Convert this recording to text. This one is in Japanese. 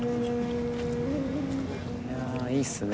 いやいいっすね。